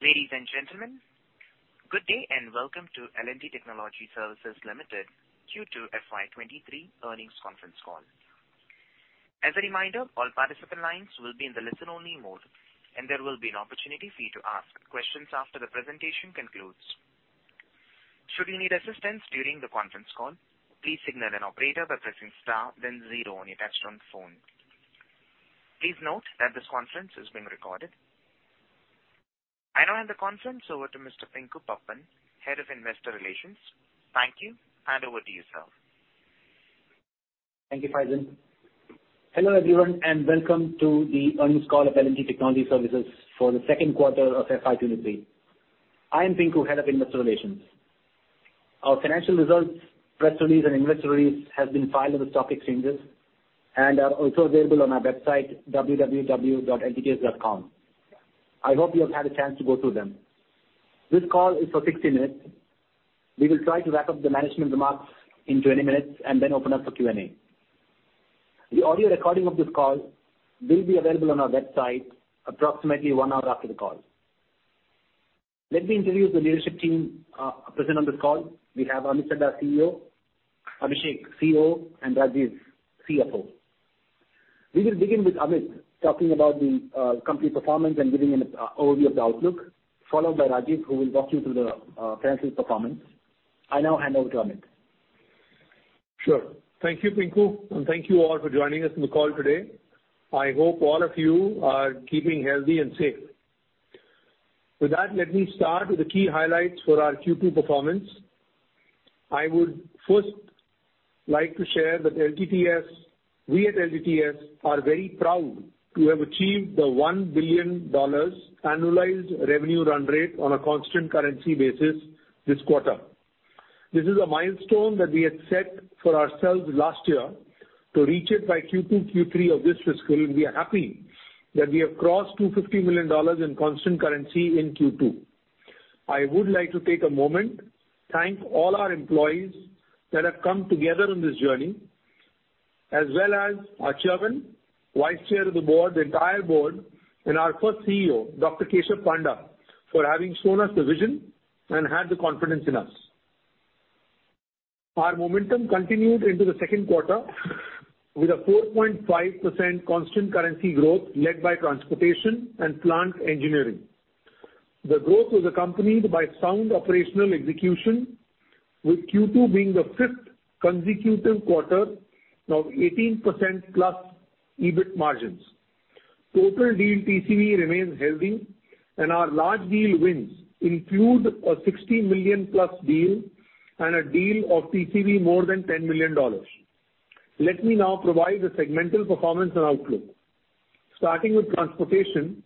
Ladies and gentlemen, good day and welcome to L&T Technology Services Limited Q2 FY 2023 earnings conference call. As a reminder, all participant lines will be in the listen-only mode, and there will be an opportunity for you to ask questions after the presentation concludes. Should you need assistance during the conference call, please signal an operator by pressing star then zero on your touchtone phone. Please note that this conference is being recorded. I now hand the conference over to Mr. Pinku Pappan, Head of Investor Relations. Thank you. Hand over to you, sir. Thank you, Faizan. Hello, everyone, and welcome to the earnings call of L&T Technology Services for the second quarter of FY 2023. I am Pinku, Head of Investor Relations. Our financial results, press release and investor release has been filed in the stock exchanges and are also available on our website, www.ltts.com. I hope you have had a chance to go through them. This call is for 60 minutes. We will try to wrap up the management remarks in 20 minutes and then open up for Q&A. The audio recording of this call will be available on our website approximately one hour after the call. Let me introduce the leadership team, present on this call. We have Amit Chadha, CEO; Abhishek, COO; and Rajeev, CFO. We will begin with Amit talking about the company performance and giving an overview of the outlook, followed by Rajeev, who will walk you through the financial performance. I now hand over to Amit. Sure. Thank you, Pinku, and thank you all for joining us on the call today. I hope all of you are keeping healthy and safe. With that, let me start with the key highlights for our Q2 performance. I would first like to share that LTTS, we at LTTS are very proud to have achieved the $1 billion annualized revenue run rate on a constant currency basis this quarter. This is a milestone that we had set for ourselves last year to reach it by Q2, Q3 of this fiscal, and we are happy that we have crossed $250 million in constant currency in Q2. I would like to take a moment, thank all our employees that have come together on this journey, as well as our chairman, vice chair of the board, the entire board, and our first CEO, Dr. Keshab Panda, for having shown us the vision and had the confidence in us. Our momentum continued into the second quarter with a 4.5% constant currency growth led by transportation and plant engineering. The growth was accompanied by sound operational execution, with Q2 being the fifth consecutive quarter of 18%+ EBIT margins. Total deal TCV remains healthy, and our large deal wins include a $60+ million deal and a deal of TCV more than $10 million. Let me now provide the segmental performance and outlook. Starting with transportation,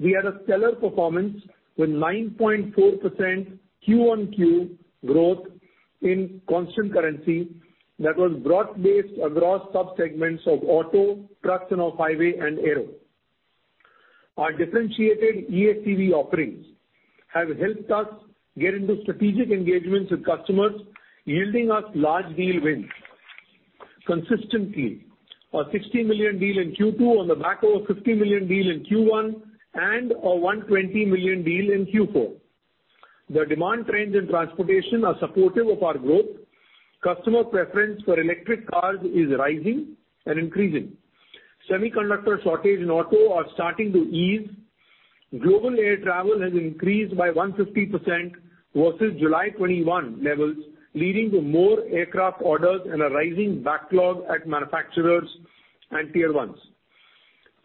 we had a stellar performance with 9.4% QoQ growth in constant currency that was broad-based across subsegments of auto, trucks and off-highway and aero. Our differentiated EACV offerings have helped us get into strategic engagements with customers yielding us large deal wins consistently. A 60 million deal in Q2 on the back of a 50 million deal in Q1 and a 120 million deal in Q4. The demand trends in transportation are supportive of our growth. Customer preference for electric cars is rising and increasing. Semiconductor shortage in auto are starting to ease. Global air travel has increased by 150% versus July 2021 levels, leading to more aircraft orders and a rising backlog at manufacturers and tier ones.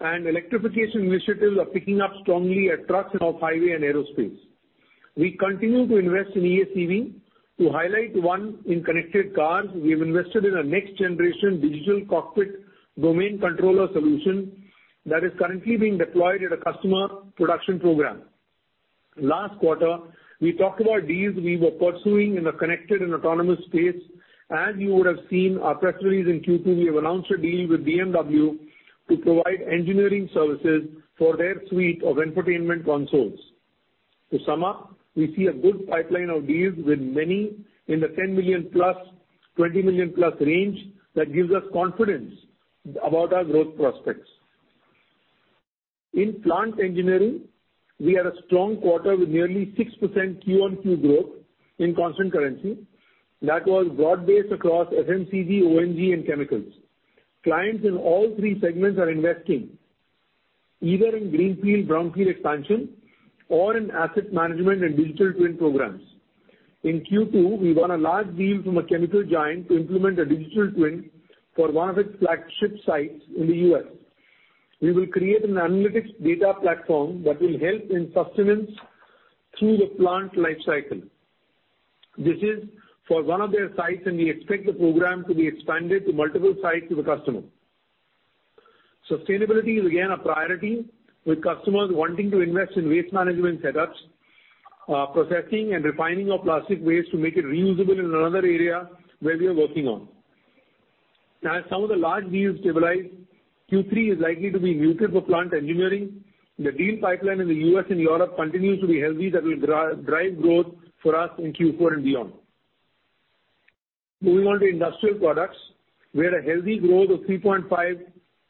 Electrification initiatives are picking up strongly at trucks and off-highway and aerospace. We continue to invest in EACV. To highlight one in connected cars, we have invested in a next-generation digital cockpit domain controller solution that is currently being deployed at a customer production program. Last quarter, we talked about deals we were pursuing in the connected and autonomous space. As you would have seen our press release in Q2, we have announced a deal with BMW to provide engineering services for their suite of infotainment consoles. To sum up, we see a good pipeline of deals with many in the $10+ million, $20+ million range that gives us confidence about our growth prospects. In plant engineering, we had a strong quarter with nearly 6% QoQ growth in constant currency that was broad-based across FMCG, O&G and chemicals. Clients in all three segments are investing either in greenfield, brownfield expansion or in asset management and digital twin programs. In Q2, we won a large deal from a chemical giant to implement a digital twin for one of its flagship sites in the U.S. We will create an analytics data platform that will help in sustenance through the plant life cycle. This is for one of their sites, and we expect the program to be expanded to multiple sites with the customer. Sustainability is again a priority, with customers wanting to invest in waste management setups, processing and refining of plastic waste to make it reusable in another area where we are working on. Now, as some of the large deals stabilize, Q3 is likely to be muted for plant engineering. The deal pipeline in the U.S. and Europe continues to be healthy. That will drive growth for us in Q4 and beyond. Moving on to industrial products. We had a healthy growth of 3.5%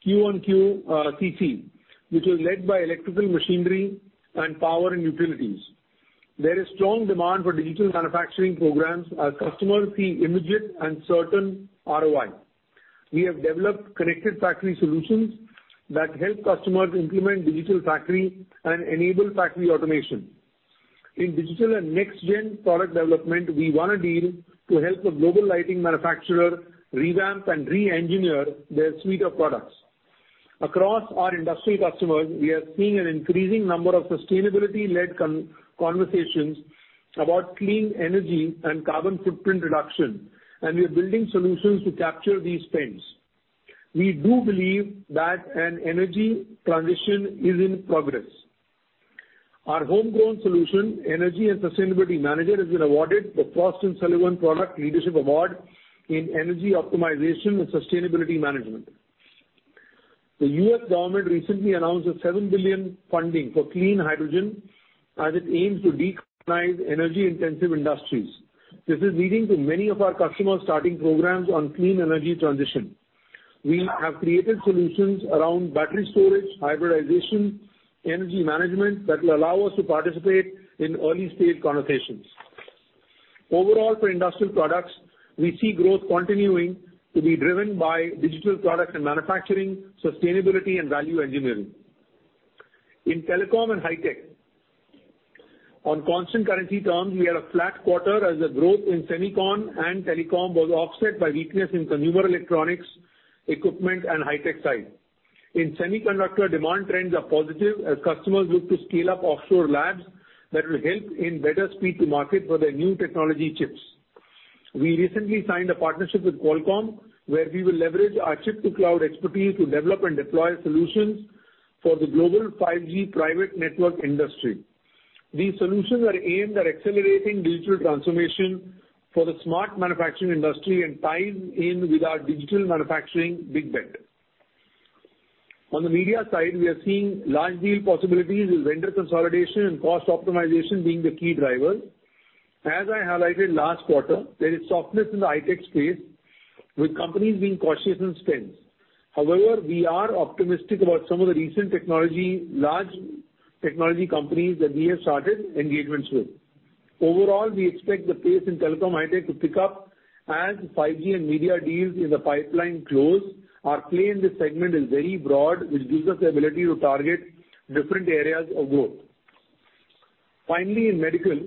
QoQ CC, which was led by electrical machinery and power and utilities. There is strong demand for digital manufacturing programs as customers see immediate and certain ROI. We have developed connected factory solutions that help customers implement digital factory and enable factory automation. In digital and next gen product development, we won a deal to help a global lighting manufacturer revamp and re-engineer their suite of products. Across our industry customers, we are seeing an increasing number of sustainability-led conversations about clean energy and carbon footprint reduction, and we are building solutions to capture these trends. We do believe that an energy transition is in progress. Our homegrown solution, Energy and Sustainability Manager, has been awarded the Frost & Sullivan Product Leadership Award in energy optimization and sustainability management. The U.S. government recently announced a $7 billion funding for clean hydrogen as it aims to decarbonize energy-intensive industries. This is leading to many of our customers starting programs on clean energy transition. We have created solutions around battery storage, hybridization, energy management that will allow us to participate in early-stage conversations. Overall, for industrial products, we see growth continuing to be driven by digital product and manufacturing, sustainability and value engineering. In telecom and high tech. On constant currency terms, we had a flat quarter as the growth in Semicon and telecom was offset by weakness in consumer electronics, equipment and high tech side. In semiconductor, demand trends are positive as customers look to scale up offshore labs that will help in better speed to market for their new technology chips. We recently signed a partnership with Qualcomm, where we will leverage our chip to cloud expertise to develop and deploy solutions for the global 5G private network industry. These solutions are aimed at accelerating digital transformation for the smart manufacturing industry and tie in with our digital manufacturing big bet. On the media side, we are seeing large deal possibilities with vendor consolidation and cost optimization being the key drivers. As I highlighted last quarter, there is softness in the high tech space, with companies being cautious in spends. However, we are optimistic about some of the recent technology, large technology companies that we have started engagements with. Overall, we expect the pace in telecom high tech to pick up as 5G and media deals in the pipeline close. Our play in this segment is very broad, which gives us the ability to target different areas of growth. Finally, in medical,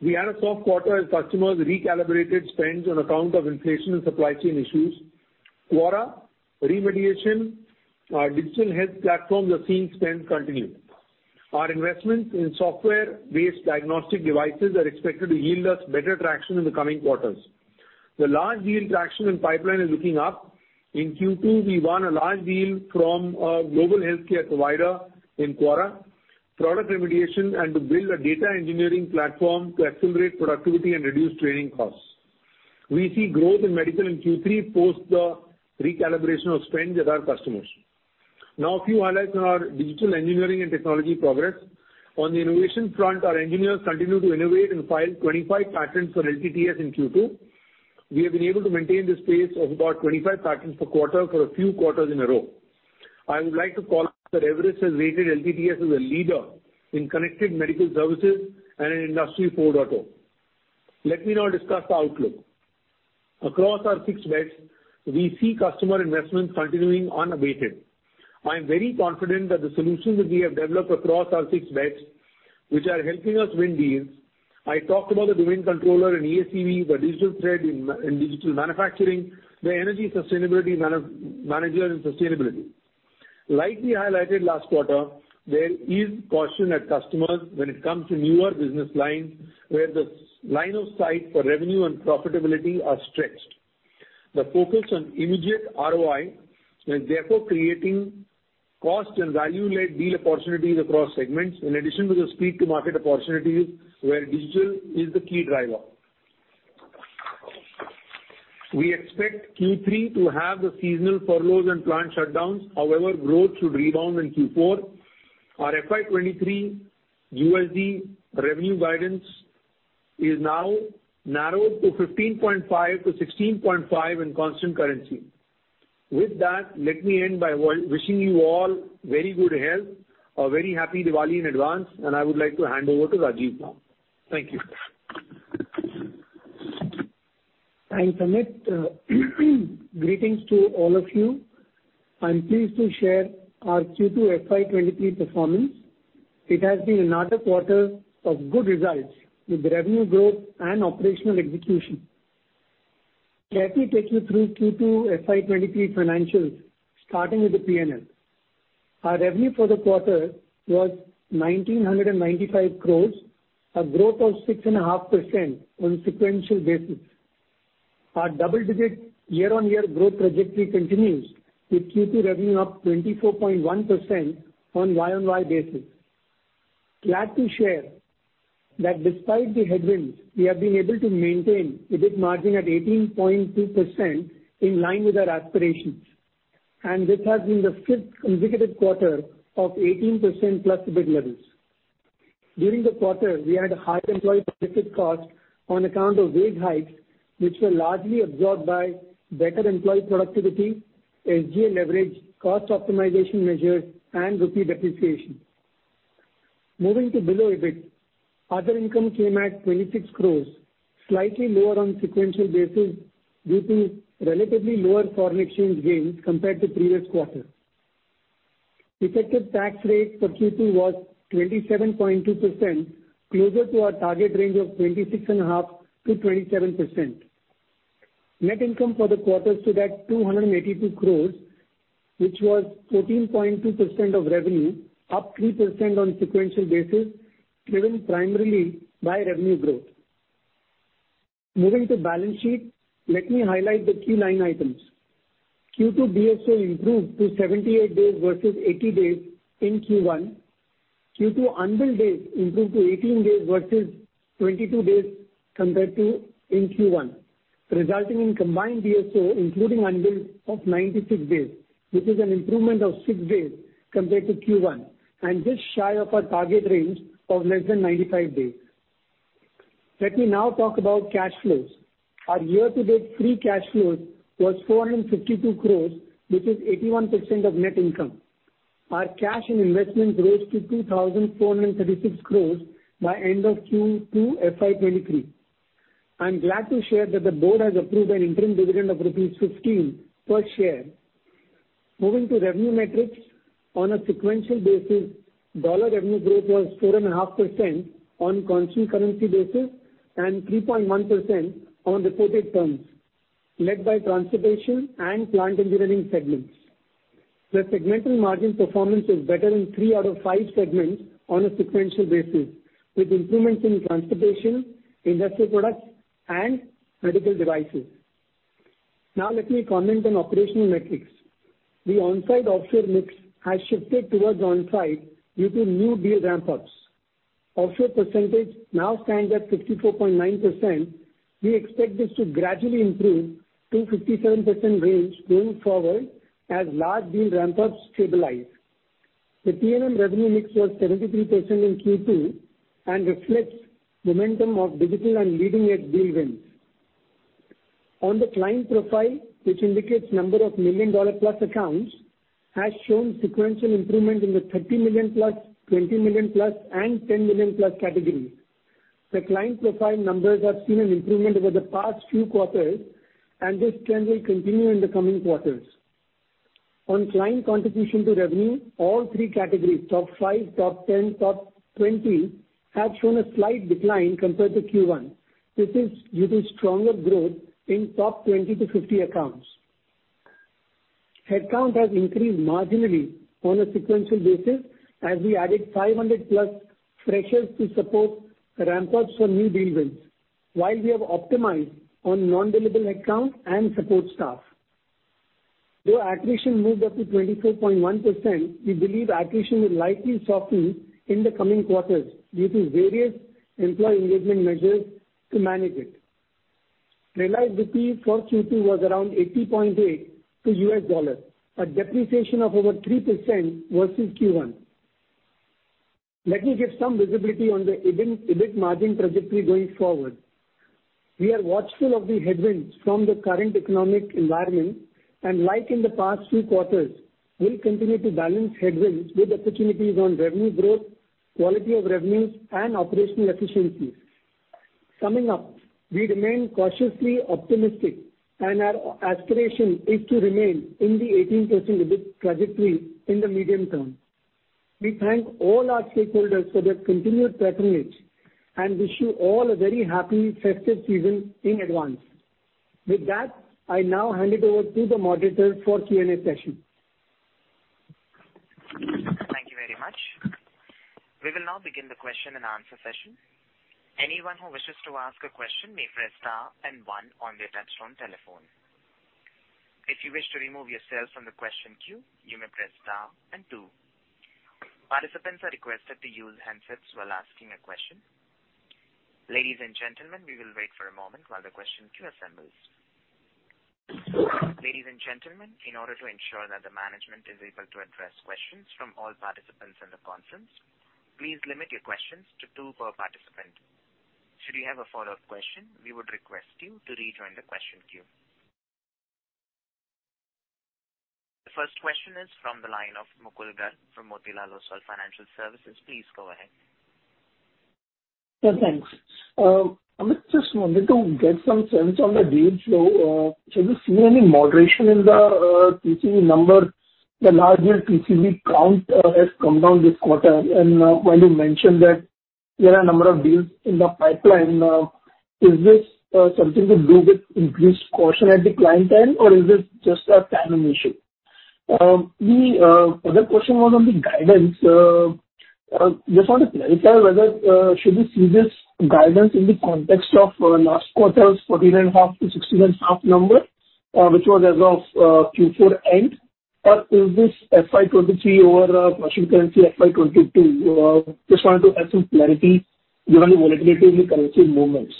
we had a soft quarter as customers recalibrated spends on account of inflation and supply chain issues. QARA, remediation, digital health platforms are seeing spends continue. Our investments in software-based diagnostic devices are expected to yield us better traction in the coming quarters, The large deal traction and pipeline is looking up. In Q2, we won a large deal from a global healthcare provider in QARA, product remediation and to build a data engineering platform to accelerate productivity and reduce training costs. We see growth in MedTech in Q3 post the recalibration of spends with our customers. Now a few highlights on our digital engineering and technology progress. On the innovation front, our engineers continue to innovate and file 25 patents for LTTS in Q2. We have been able to maintain this pace of about 25 patents per quarter for a few quarters in a row. I would like to call out that Everest Group has rated LTTS as a leader in connected MedTech services and in Industry 4.0. Let me now discuss the outlook. Across our six bets we see customer investments continuing unabated. I am very confident that the solutions that we have developed across our six bets, which are helping us win deals. I talked about the domain controller and EACV, the digital thread in digital manufacturing, the Energy and Sustainability Manager in sustainability. Like we highlighted last quarter, there is caution at customers when it comes to newer business lines where the line of sight for revenue and profitability are stretched. The focus on immediate ROI is therefore creating cost and value-led deal opportunities across segments, in addition to the speed to market opportunities where digital is the key driver. We expect Q3 to have the seasonal furloughs and plant shutdowns. However, growth should rebound in Q4. Our FY 2023 USD revenue guidance is now narrowed to 15.5%-16.5% in constant currency. With that, let me end by wishing you all very good health, a very happy Diwali in advance, and I would like to hand over to Rajeev now. Thank you. Thanks, Amit. Greetings to all of you. I'm pleased to share our Q2 FY 2023 performance. It has been another quarter of good results with revenue growth and operational execution. Let me take you through Q2 FY 2023 financials, starting with the P&L. Our revenue for the quarter was 1,995 crores, a growth of 6.5% on sequential basis. Our double-digit year-on-year growth trajectory continues with Q2 revenue up 24.1% on year-on-year basis. Glad to share that despite the headwinds, we have been able to maintain EBIT margin at 18.2% in line with our aspirations. This has been the fifth consecutive quarter of 18%+ EBIT levels. During the quarter, we had high employee benefit costs on account of wage hikes, which were largely absorbed by better employee productivity, SG&A leverage, cost optimization measures, and rupee depreciation. Moving to below EBIT, other income came at 26 crore, slightly lower on sequential basis due to relatively lower foreign exchange gains compared to previous quarter. Effective tax rate for Q2 was 27.2%, closer to our target range of 26.5%-27%. Net income for the quarter stood at 282 crore, which was 13.2% of revenue, up 3% on sequential basis, driven primarily by revenue growth. Moving to balance sheet, let me highlight the key line items. Q2 DSO improved to 78 days versus 80 days in Q1. Q2 unbilled days improved to 18 days versus 22 days compared to in Q1, resulting in combined DSO, including unbilled, of 96 days, which is an improvement of 6 days compared to Q1 and just shy of our target range of less than 95 days. Let me now talk about cash flows. Our year-to-date free cash flows was 452 crore, which is 81% of net income. Our cash in investments rose to 2,436 crore by end of Q2 FY 2023. I'm glad to share that the board has approved an interim dividend of rupees 15 per share. Moving to revenue metrics. On a sequential basis, dollar revenue growth was 4.5% on constant currency basis and 3.1% on reported terms, led by transportation and plant engineering segments. The segmental margin performance is better in three out of five segments on a sequential basis, with improvements in transportation, industrial products, and medical devices. Now let me comment on operational metrics. The onsite-offshore mix has shifted towards onsite due to new deal ramp-ups. Offshore percentage now stands at 54.9%. We expect this to gradually improve to 57% range going forward as large deal ramp-ups stabilize. The TNM revenue mix was 73% in Q2 and reflects momentum of digital and leading-edge deal wins. On the client profile, which indicates number of $1+ million accounts, has shown sequential improvement in the $30+ million, $20+ million, and $10+ million categories. The client profile numbers have seen an improvement over the past few quarters, and this trend will continue in the coming quarters. On client contribution to revenue, all three categories, top 5, top 10, top 20, have shown a slight decline compared to Q1. This is due to stronger growth in top 20 to 50 accounts. Headcount has increased marginally on a sequential basis as we added 500+ freshers to support ramp-ups for new deal wins, while we have optimized on non-billable headcount and support staff. Though attrition moved up to 24.1%, we believe attrition will likely soften in the coming quarters due to various employee engagement measures to manage it. Realized rupees for Q2 was around 80.8 to U.S. dollar, a depreciation of over 3% versus Q1. Let me give some visibility on the EBIT margin trajectory going forward. We are watchful of the headwinds from the current economic environment and like in the past few quarters, we'll continue to balance headwinds with opportunities on revenue growth, quality of revenues, and operational efficiencies. Summing up, we remain cautiously optimistic, and our aspiration is to remain in the 18% EBIT trajectory in the medium term. We thank all our stakeholders for their continued patronage and wish you all a very happy festive season in advance. With that, I now hand it over to the moderator for Q&A session. Thank you very much. We will now begin the question-and-answer session. Anyone who wishes to ask a question may press star and one on their touchtone telephone. If you wish to remove yourself from the question queue, you may press star and two. Participants are requested to use handsets while asking a question. Ladies and gentlemen, we will wait for a moment while the question queue assembles. Ladies and gentlemen, in order to ensure that the management is able to address questions from all participants in the conference, please limit your questions to two per participant. Should you have a follow-up question, we would request you to rejoin the question queue. The first question is from the line of Mukul Garg from Motilal Oswal Financial Services. Please go ahead. Yeah, thanks. Amit, just wanted to get some sense on the deal flow. So have you seen any moderation in the TCV number. The larger TCV count has come down this quarter. While you mentioned that there are a number of deals in the pipeline, is this something to do with increased caution at the client end, or is this just a timing issue? The other question was on the guidance. Just want to clarify whether we should see this guidance in the context of last quarter's 14.5%-16.5% number, which was as of Q4 end, or is this FY 2023 over constant currency FY 2022? Just wanted to have some clarity given the volatility in currency movements.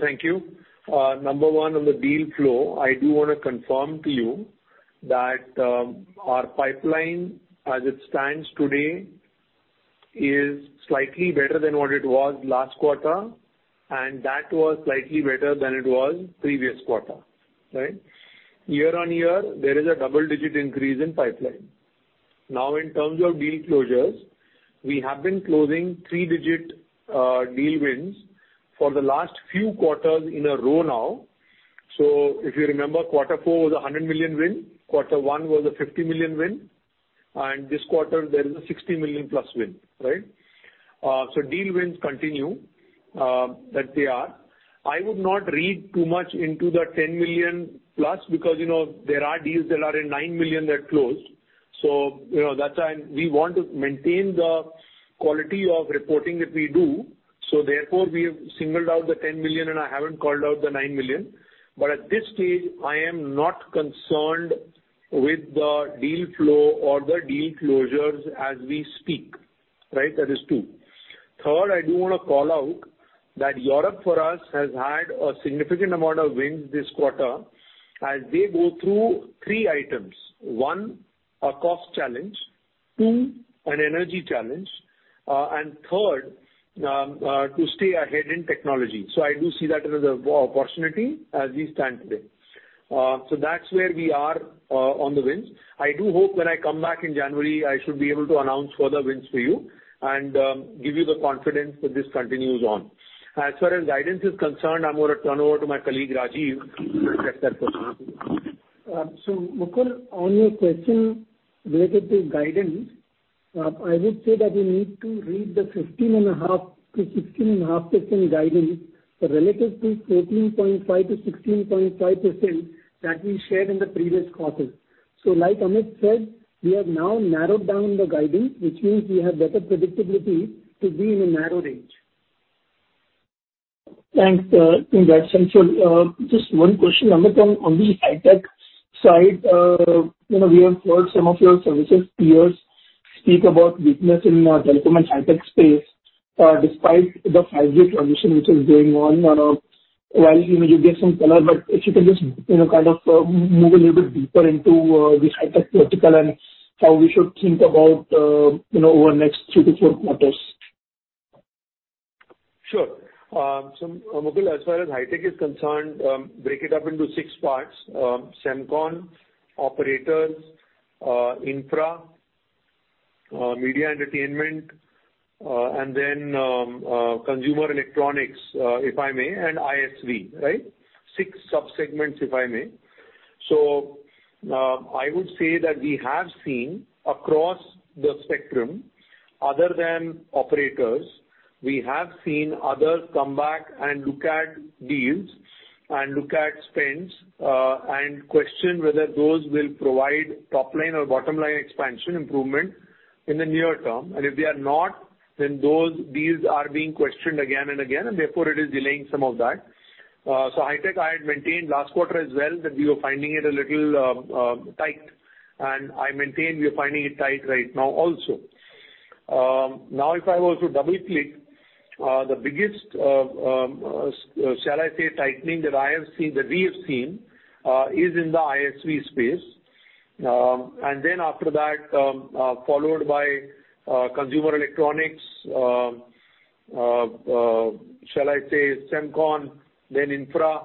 Thank you. Number one on the deal flow, I do wanna confirm to you that our pipeline as it stands today is slightly better than what it was last quarter, and that was slightly better than it was previous quarter. Right? Year-on-year, there is a double-digit increase in pipeline. Now, in terms of deal closures, we have been closing three-digit deal wins for the last few quarters in a row now. If you remember, quarter four was a $100 million win, quarter one was a $50 million win, and this quarter there is a $60+ million win, right? Deal wins continue, that they are. I would not read too much into the 10 million plus because, you know, there are deals that are in 9 million that closed, so you know, that's why we want to maintain the quality of reporting that we do. Therefore, we have singled out the 10 million, and I haven't called out the 9 million. At this stage, I am not concerned with the deal flow or the deal closures as we speak, right? That is two. Third, I do wanna call out that Europe for us has had a significant amount of wins this quarter as they go through three items. One, a cost challenge. Two, an energy challenge. And third, to stay ahead in technology. I do see that as an opportunity as we stand today. That's where we are on the wins. I do hope when I come back in January, I should be able to announce further wins for you and give you the confidence that this continues on. As far as guidance is concerned, I'm gonna turn over to my colleague, Rajeev, to address that question. Mukul, on your question related to guidance, I would say that you need to read the 15.5%-16.5% guidance relative to 14.5%-16.5% that we shared in the previous quarter. Like Amit said, we have now narrowed down the guidance, which means we have better predictability to be in a narrow range. Thanks, Rajeev. That's helpful. Just one question, Amit, on the high-tech side. You know, we have heard some of your services peers speak about weakness in telecom and high-tech space, despite the 5G transition which is going on. While you may give some color, but if you can just, you know, kind of move a little bit deeper into this high-tech vertical and how we should think about you know, over the next 3-4 quarters. Sure. Mukul, as far as high-tech is concerned, break it up into 6 parts. Semicon, operators, infra, media entertainment, and then, consumer electronics, if I may, and ISV, right? 6 sub-segments, if I may. I would say that we have seen across the spectrum other than operators, we have seen others come back and look at deals and look at spends, and question whether those will provide top line or bottom line expansion improvement in the near term. If they are not, then those deals are being questioned again and again, and therefore it is delaying some of that. High-tech, I had maintained last quarter as well that we were finding it a little tight, and I maintain we are finding it tight right now also. Now if I were to double-click, the biggest, shall I say, tightening that we have seen is in the ISV space. Then after that, followed by consumer electronics, shall I say Semicon, then infra,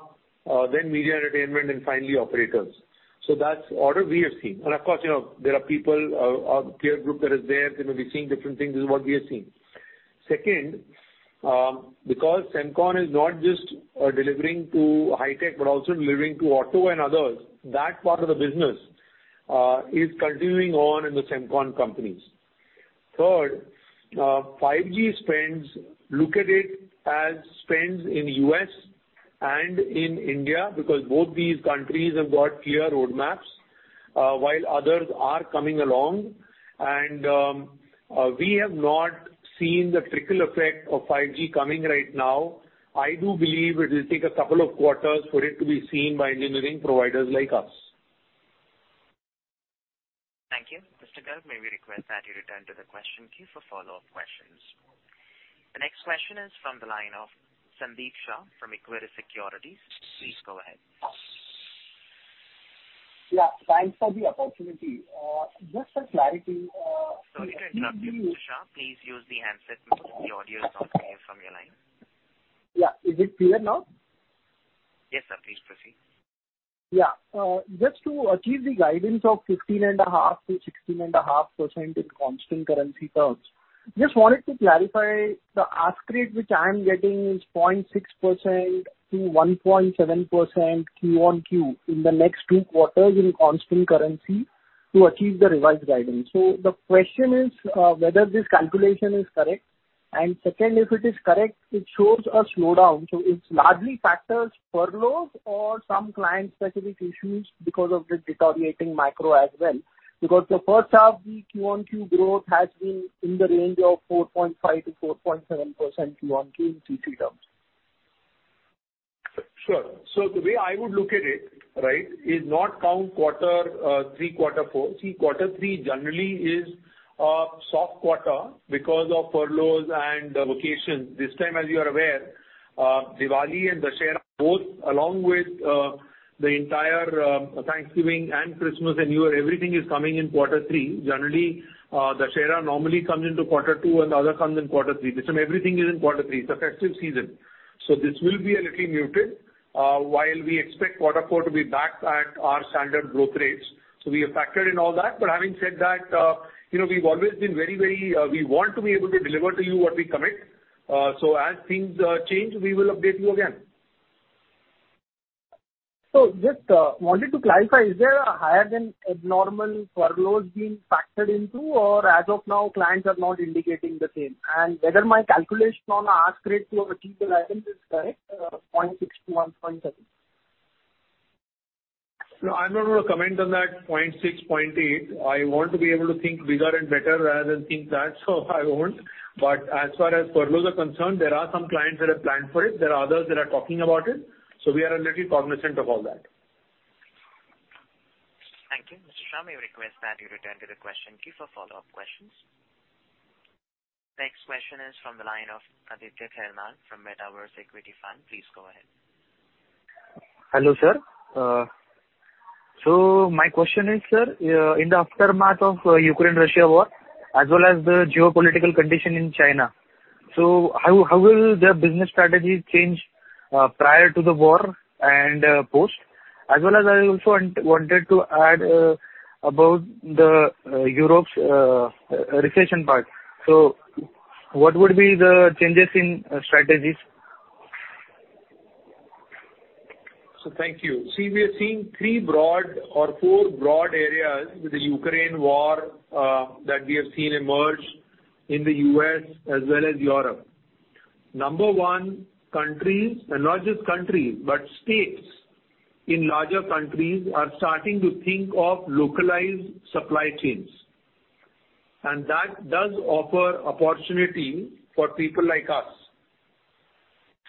then media entertainment, and finally operators. That's order we have seen. Of course, you know, there are people, peer group that is there, you know, we're seeing different things. This is what we are seeing. Second, because Semicon is not just delivering to high-tech, but also delivering to auto and others, that part of the business is continuing on in the Semicon companies. Third, 5G spends look at it as spends in U.S. and in India because both these countries have got clear roadmaps, while others are coming along. We have not seen the trickle effect of 5G coming right now. I do believe it will take a couple of quarters for it to be seen by engineering providers like us. Thank you. Mr. Garg, may we request that you return to the question queue for follow-up questions? The next question is from the line of Sandeep Shah from Equirus Securities. Please go ahead. Yeah, thanks for the opportunity. Just for clarity, Sorry to interrupt you, Mr. Shah. Please use the handset because the audio is not clear from your line. Yeah. Is it clear now? Yes, sir. Please proceed. Yeah. Just to achieve the guidance of 15.5%-16.5% in constant currency terms, just wanted to clarify the growth rate which I'm getting is 0.6%-1.7% QoQ in the next two quarters in constant currency to achieve the revised guidance. The question is whether this calculation is correct. Second, if it is correct, it shows a slowdown. It's largely from furloughs or some client-specific issues because of the deteriorating macro as well. Because the first half, the QoQ growth has been in the range of 4.5%-4.7% QoQ in CC terms. Sure. The way I would look at it, right, is not to count quarter three, quarter four. See, quarter three generally is a soft quarter because of furloughs and vacations. This time, as you are aware, Diwali and Dussehra both, along with the entire Thanksgiving and Christmas and New Year, everything is coming in quarter three. Generally, Dussehra normally comes into quarter two, and the other comes in quarter three. This time everything is in quarter three. It's a festive season. This will be a little muted while we expect quarter four to be back at our standard growth rates. We have factored in all that. Having said that, you know, we've always been very we want to be able to deliver to you what we commit. As things change, we will update you again. Just wanted to clarify, is there higher than normal furloughs being factored into or as of now clients are not indicating the same? Whether my calculation on ask rate to achieve the guidance is correct, 0.6%-1.7%. No, I'm not gonna comment on that 0.6%, 0.8%. I want to be able to think bigger and better rather than think that, so I won't. As far as furloughs are concerned, there are some clients that have planned for it. There are others that are talking about it. We are a little cognizant of all that. Thank you. Mr. Shah, may we request that you return to the question queue for follow-up questions. Next question is from the line of Aditya Khairnar from Metaverse Equity Fund. Please go ahead. Hello, sir. My question is, sir, in the aftermath of Ukraine-Russia war as well as the geopolitical condition in China, how will their business strategy change prior to the war and post? As well as I also wanted to add about Europe's recession part. What would be the changes in strategies? Thank you. See, we are seeing three broad or four broad areas with the Ukraine war that we have seen emerge in the U.S. as well as Europe. Number one, countries, and not just countries, but states in larger countries are starting to think of localized supply chains. That does offer opportunity for people like us.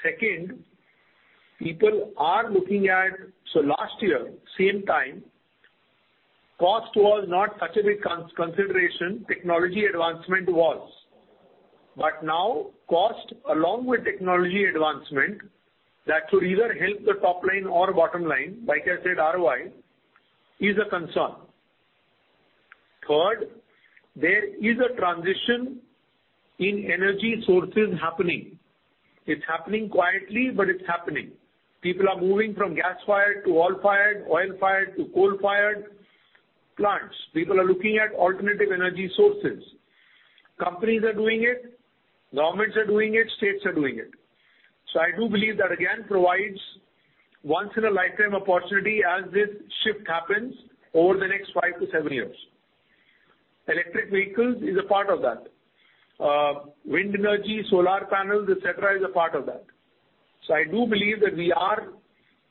Second, people are looking at. Last year, same time, cost was not such a big consideration. Technology advancement was. Now cost along with technology advancement that will either help the top line or bottom line, like I said, ROI, is a concern. Third, there is a transition in energy sources happening. It's happening quietly, but it's happening. People are moving from gas-fired to oil-fired, oil-fired to coal-fired plants. People are looking at alternative energy sources. Companies are doing it, governments are doing it, states are doing it. I do believe that again provides once in a lifetime opportunity as this shift happens over the next 5-7 years. Electric vehicles is a part of that. Wind energy, solar panels, et cetera, is a part of that. I do believe that we are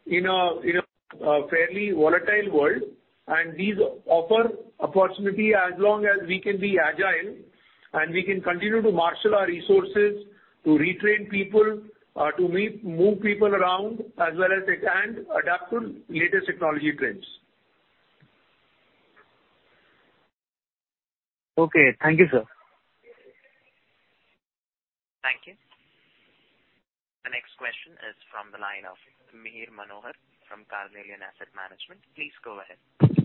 in a fairly volatile world, and these offer opportunity as long as we can be agile and we can continue to marshal our resources to retrain people, to move people around as well as and adapt to latest technology trends. Okay. Thank you, sir. Thank you. The next question is from the line of Mihir Manohar from Carnelian Asset Management. Please go ahead.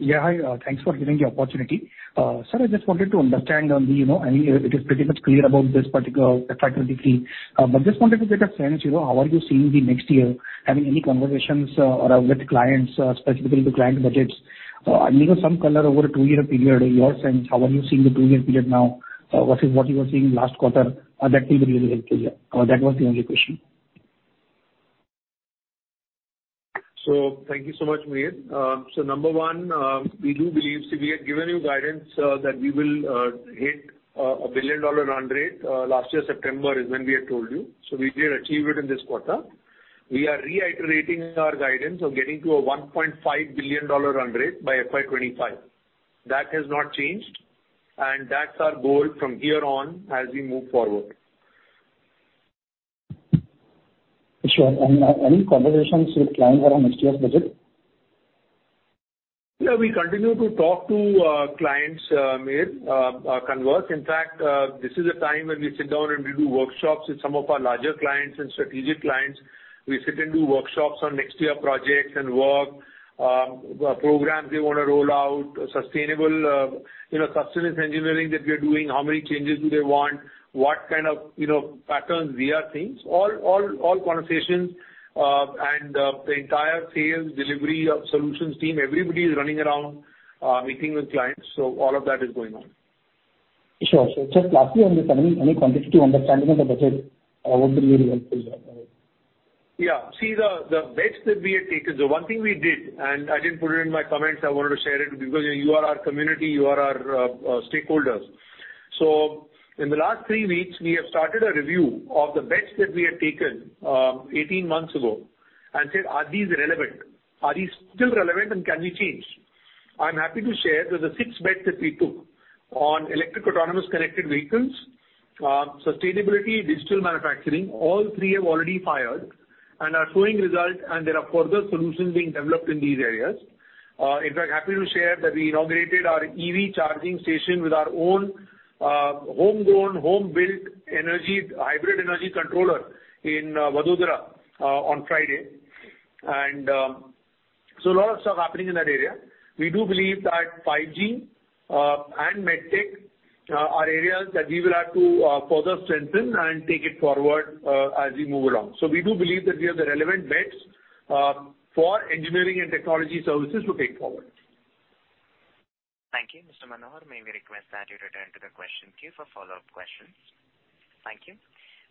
Hi. Thanks for giving the opportunity. Sir, I just wanted to understand on the, you know, I mean, it is pretty much clear about this particular FY 2023. But just wanted to get a sense, you know, how are you seeing the next year. Having any conversations around with clients, specifically the client budgets. And maybe some color over a 2-year period, your sense, how are you seeing the 2-year period now. What you are seeing last quarter, that will be really helpful. That was the only question. Thank you so much, Mihir. We do believe we had given you guidance that we will hit a $1 billion run rate. Last year, September is when we had told you. We did achieve it in this quarter. We are reiterating our guidance of getting to a $1.5 billion run rate by FY 2025. That has not changed, and that's our goal from here on as we move forward. Sure. Any conversations with clients around next year's budget? Yeah, we continue to talk to clients, Mihir, converse. In fact, this is a time when we sit down and we do workshops with some of our larger clients and strategic clients. We sit and do workshops on next year projects and work, programs they wanna roll out, sustainable, you know, sustenance engineering that we are doing, how many changes do they want, what kind of, you know, patterns we are seeing. All conversations, and the entire sales, delivery, solutions team, everybody is running around, meeting with clients. All of that is going on. Sure, sir. Just lastly on this, any quantitative understanding on the budget, would be really helpful. Yeah. See, the bets that we had taken, the one thing we did, and I didn't put it in my comments, I wanted to share it because you are our community, you are our stakeholders. In the last three weeks, we have started a review of the bets that we had taken 18 months ago and said, "Are these relevant? Are these still relevant and can we change?" I'm happy to share that the six bets that we took on electric autonomous connected vehicles, sustainability, digital manufacturing, all three have already fired and are showing results, and there are further solutions being developed in these areas. In fact, happy to share that we inaugurated our EV charging station with our own homegrown, home-built hybrid energy controller in Vadodara on Friday. A lot of stuff happening in that area. We do believe that 5G and MedTech are areas that we will have to further strengthen and take it forward as we move along. We do believe that we have the relevant bets for engineering and technology services to take forward. Thank you. Mr. Manohar, may we request that you return to the question queue for follow-up questions. Thank you.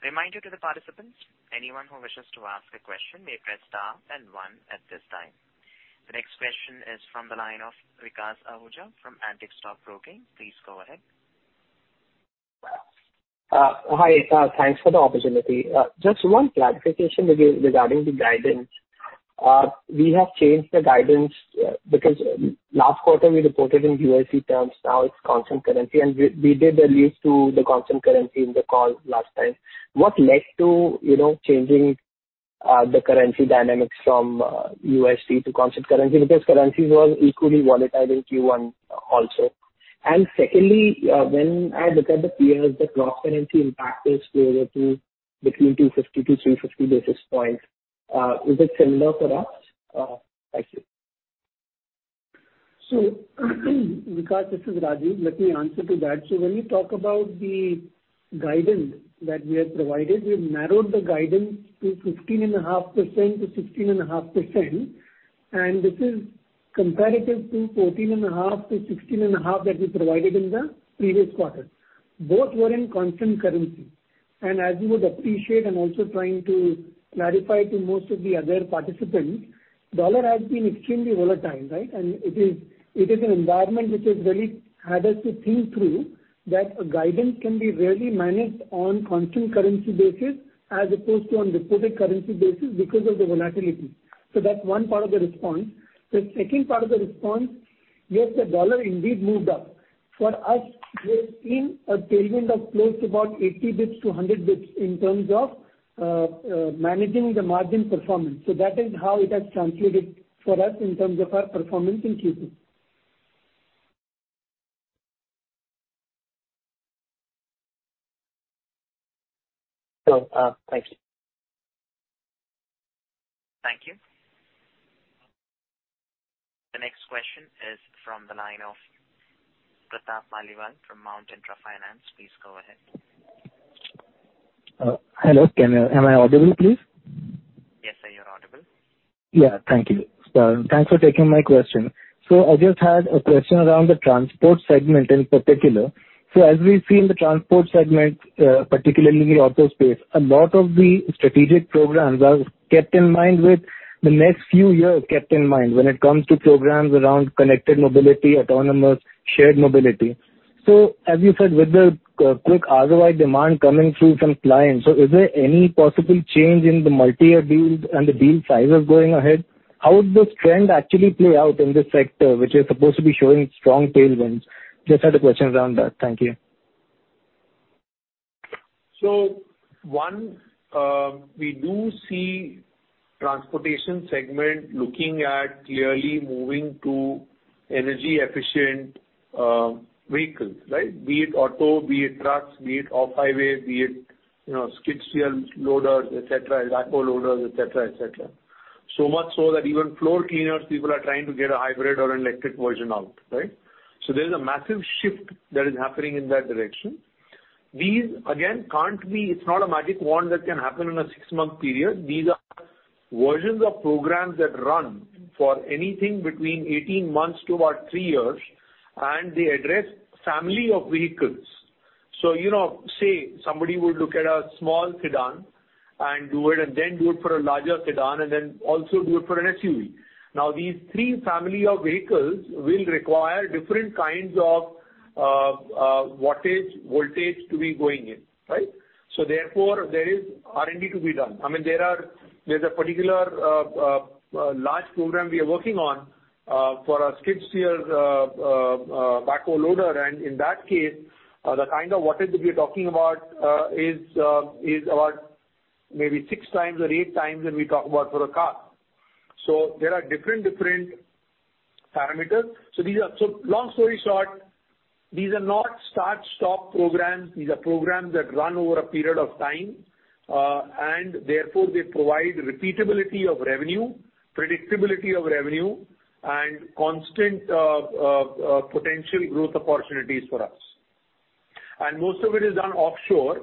Reminder to the participants, anyone who wishes to ask a question may press star and one at this time. The next question is from the line of Vikas Ahuja from Antique Stock Broking. Please go ahead. Hi, thanks for the opportunity. Just one clarification regarding the guidance. We have changed the guidance because last quarter we reported in USD terms, now it's constant currency. We did a release to the constant currency in the call last time. What led to, you know, changing the currency dynamics from USD to constant currency? Because currencies were equally volatile in Q1 also. Secondly, when I look at the peers, the cross-currency impact is closer to between 250-350 basis points. Is it similar for us? Thank you. Vikas, this is Rajeev. Let me answer to that. When we talk about the guidance that we have provided, we've narrowed the guidance to 15.5%-16.5%, and this is comparative to 14.5%-16.5% that we provided in the previous quarter. Both were in constant currency. As you would appreciate and also trying to clarify to most of the other participants, dollar has been extremely volatile, right? It is an environment which has really had us to think through that a guidance can be rarely managed on constant currency basis as opposed to on reported currency basis because of the volatility. That's one part of the response. The second part of the response, yes, the dollar indeed moved up. For us, we've seen a tailwind of close to about 80 basis points to 100 basis points in terms of managing the margin performance. That is how it has translated for us in terms of our performance in Q2. Thank you. Thank you. The next question is from the line of Pratap Maliwal from Mount Intra Finance. Please go ahead. Hello. Am I audible, please? Yes, sir, you're audible. Yeah. Thank you. Thanks for taking my question. I just had a question around the transport segment in particular. As we see in the transport segment, particularly in the auto space, a lot of the strategic programs are kept in mind with the next few years kept in mind when it comes to programs around connected mobility, autonomous, shared mobility. As you said, with the quick ROI demand coming through from clients, so is there any possible change in the multi-year deals and the deal sizes going ahead? How would this trend actually play out in this sector, which is supposed to be showing strong tailwinds? Just had a question around that. Thank you. One, we do see transportation segment looking at clearly moving to energy efficient vehicles, right? Be it auto, be it trucks, be it off-highway, be it, you know, skid steer loaders, et cetera, backhoe loaders, et cetera, et cetera. So much so that even floor cleaners people are trying to get a hybrid or an electric version out, right? These again can't be. It's not a magic wand that can happen in a 6-month period. These are versions of programs that run for anything between 18 months to about 3 years, and they address family of vehicles. You know, say somebody would look at a small sedan and do it, and then do it for a larger sedan, and then also do it for an SUV. These three families of vehicles will require different kinds of wattage, voltage to be going in, right? Therefore, there is R&D to be done. I mean, there's a particular large program we are working on for a skid steer backhoe loader. In that case, the kind of wattage that we're talking about is about maybe 6x or 8x that we talk about for a car. There are different parameters. Long story short, these are not start-stop programs. These are programs that run over a period of time, and therefore they provide repeatability of revenue, predictability of revenue and constant potential growth opportunities for us. Most of it is done offshore,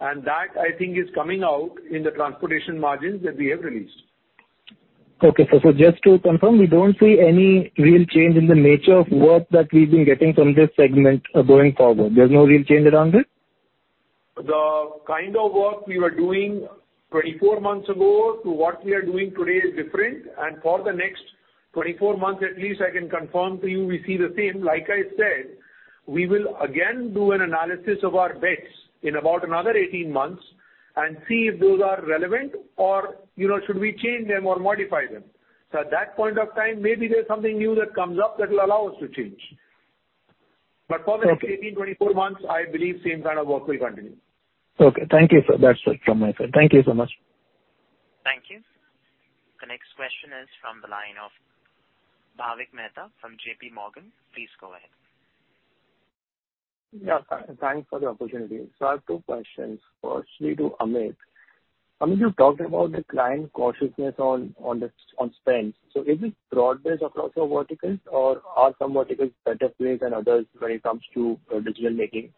and that I think is coming out in the transportation margins that we have released. Just to confirm, we don't see any real change in the nature of work that we've been getting from this segment, going forward. There's no real change around it? The kind of work we were doing 24 months ago to what we are doing today is different. For the next 24 months at least, I can confirm to you we see the same. Like I said, we will again do an analysis of our bets in about another 18 months and see if those are relevant or, you know, should we change them or modify them. At that point of time, maybe there's something new that comes up that will allow us to change. Okay. For the next 18, 24 months, I believe same kind of work will continue. Okay. Thank you, sir. That's it from my side. Thank you so much. Thank you. The next question is from the line of Bhavik Mehta from JPMorgan. Please go ahead. Thanks for the opportunity. I have two questions. Firstly, to Amit. Amit, you talked about the client cautiousness on the spend. Is it broad-based across the verticals or are some verticals better placed than others when it comes to digital making?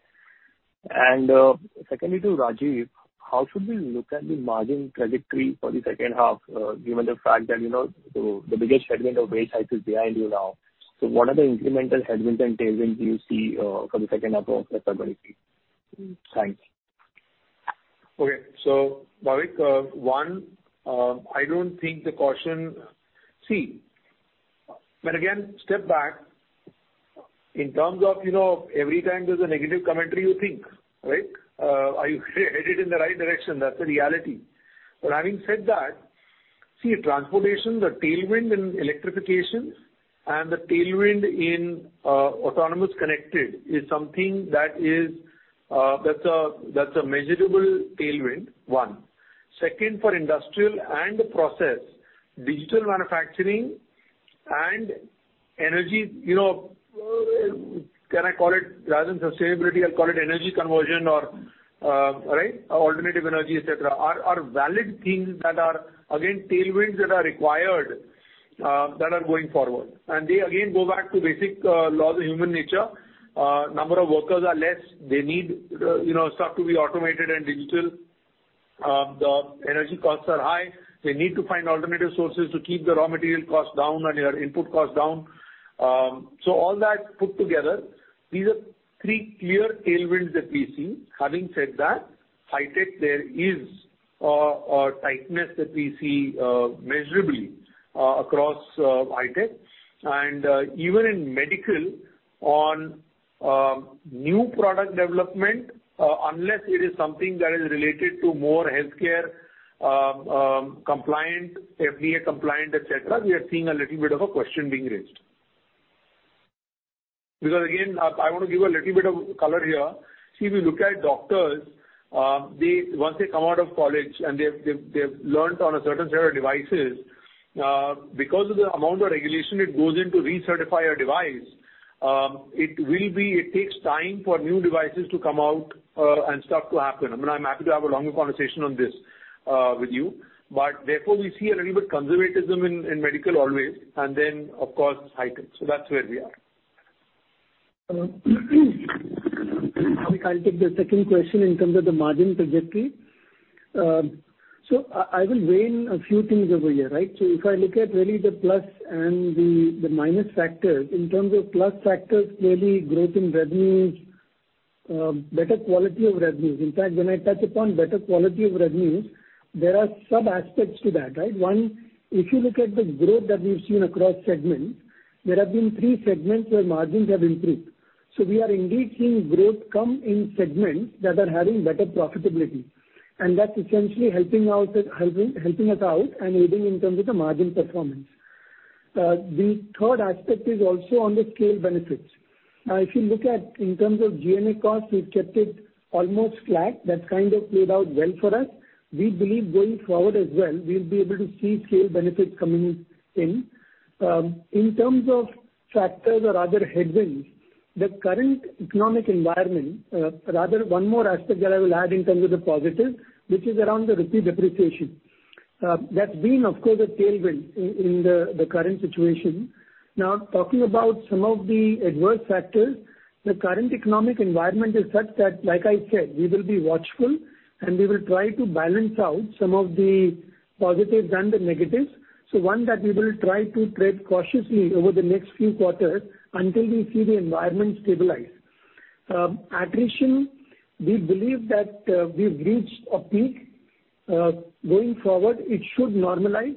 Secondly, to Rajeev, how should we look at the margin trajectory for the second half, given the fact that the biggest headwind of wage hikes is behind you now. What are the incremental headwinds and tailwinds you see for the second half of fiscal 2023? Thanks. Okay. Bhavik, one, I don't think the caution. See, step back in terms of, you know, every time there's a negative commentary you think, right? Are you headed in the right direction? That's the reality. Having said that, see transformation, the tailwind in electrification and the tailwind in autonomous connected is something that is, that's a measurable tailwind, one. Second, for industrial and the process, digital manufacturing and energy, you know, can I call it rather than sustainability, I'll call it energy conversion or right, alternative energy, et cetera, are valid things that are again tailwinds that are required, that are going forward. They again go back to basic laws of human nature. Number of workers are less. They need, you know, stuff to be automated and digital. The energy costs are high. They need to find alternative sources to keep the raw material costs down and your input costs down. All that put together, these are three clear tailwinds that we see. Having said that, high-tech there is a tightness that we see measurably across high-tech. Even in medical on new product development, unless it is something that is related to more healthcare compliant, FDA compliant, et cetera, we are seeing a little bit of a question being raised. Because again, I wanna give a little bit of color here. See, if you look at doctors, once they come out of college and they've learned on a certain set of devices, because of the amount of regulation that goes into recertify a device, it will be. It takes time for new devices to come out and stuff to happen. I mean, I'm happy to have a longer conversation on this with you. Therefore, we see a little bit conservatism in MedTech always and then of course high-tech. That's where we are. I'll take the second question in terms of the margin trajectory. I will weigh in a few things over here, right? If I look at really the plus and the minus factors, in terms of plus factors, clearly growth in revenues, better quality of revenues. In fact, when I touch upon better quality of revenues, there are sub-aspects to that, right? One, if you look at the growth that we've seen across segments, there have been three segments where margins have improved. We are indeed seeing growth come in segments that are having better profitability, and that's essentially helping us out and aiding in terms of the margin performance. The third aspect is also on the scale benefits. If you look at it in terms of G&A costs, we've kept it almost flat. That's kind of played out well for us. We believe going forward as well, we'll be able to see scale benefits coming in. In terms of factors or other headwinds, the current economic environment, rather one more aspect that I will add in terms of the positive, which is around the rupee depreciation. That's been of course a tailwind in the current situation. Now talking about some of the adverse factors, the current economic environment is such that, like I said, we will be watchful and we will try to balance out some of the positives and the negatives. One that we will try to tread cautiously over the next few quarters until we see the environment stabilize. Attrition, we believe that we've reached a peak. Going forward it should normalize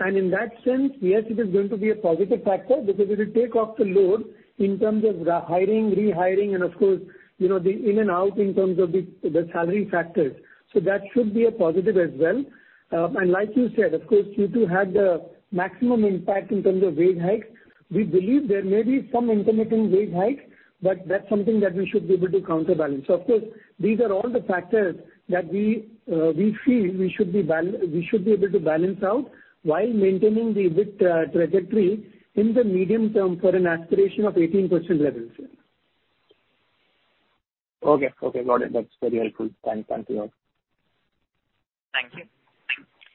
and in that sense, yes, it is going to be a positive factor because it will take off the load in terms of the hiring, rehiring and of course, you know, the in and out in terms of the salary factors. So that should be a positive as well. Like you said, of course, Q2 had the maximum impact in terms of wage hikes. We believe there may be some intermittent wage hikes, but that's something that we should be able to counterbalance. Of course, these are all the factors that we feel we should be able to balance out while maintaining the EBIT trajectory in the medium term for an aspiration of 18% revenues. Okay. Okay, got it. That's very helpful. Thanks. Thank you all. Thank you.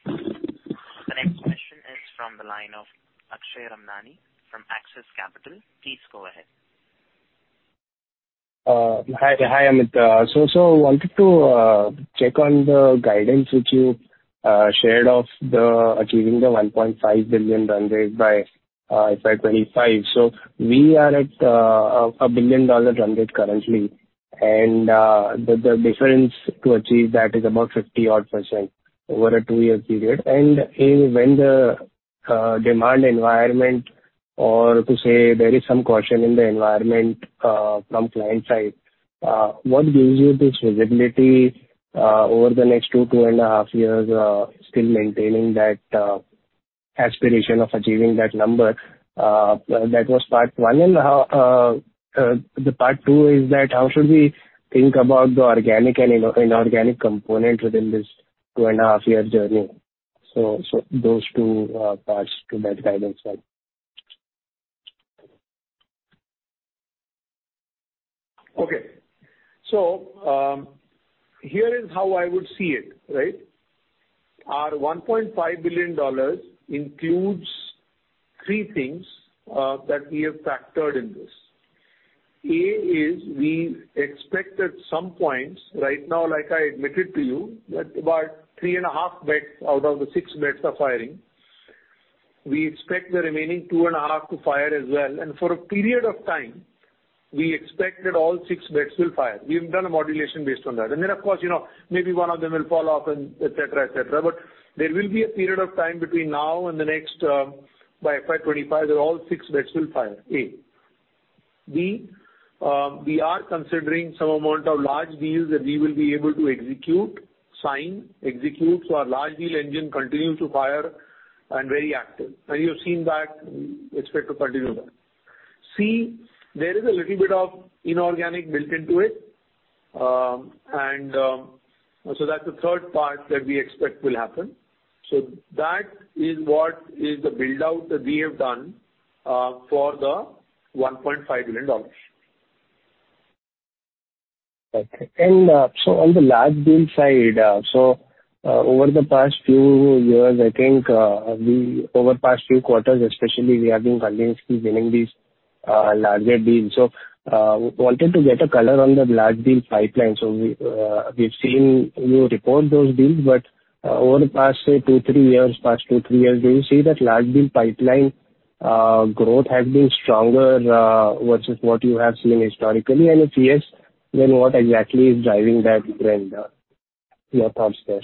The next question is from the line of Akshay Ramnani from Axis Capital. Please go ahead. Hi. Hi, Amit. so wanted to check on the guidance which you shared of the achieving the $1.5 billion run rate by FY 2025. We are at a $1 billion run rate currently and the difference to achieve that is about 50%-odd over a 2-year period. when the-Demand environment or to say there is some caution in the environment, from client side. What gives you this visibility over the next 2.5 years, still maintaining that aspiration of achieving that number? That was part one. How, the part two is that how should we think about the organic and inorganic component within this 2.5-year journey? Those two parts to that guidance slide. Okay. Here is how I would see it, right? Our $1.5 billion includes three things that we have factored in this. A, we expect at some points right now, like I admitted to you, that about 3.5 bids out of the 6 bids are firing. We expect the remaining 2.5 to fire as well. For a period of time, we expect that all 6 bids will fire. We've done a modeling based on that. Then of course, you know, maybe one of them will fall off and et cetera, et cetera. There will be a period of time between now and the next by FY 2025 that all 6 bids will fire, A. B, we are considering some amount of large deals that we will be able to execute, sign, execute. Our large deal engine continues to fire and very active. You've seen that, we expect to continue that. See, there is a little bit of inorganic built into it. That's the third part that we expect will happen. That is what is the build-out that we have done for the $1.5 billion. Okay. On the large deal side, over the past few years, I think, over the past few quarters especially, we have been continuously winning these larger deals. Wanted to get a color on the large deal pipeline. We've seen you report those deals, but over the past, say, 2-3 years, do you see that large deal pipeline growth has been stronger versus what you have seen historically? If yes, then what exactly is driving that trend? Your thoughts there.